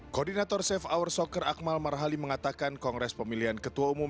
koordinator safe hour soccer akmal marhali mengatakan kongres pemilihan ketua umum